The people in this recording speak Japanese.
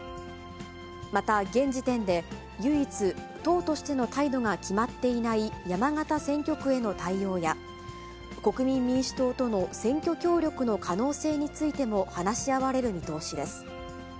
また、現時点で唯一、党としての態度が決まっていない山形選挙区への対応や、国民民主党との選挙協力の可能性についても話し合われる見通しです。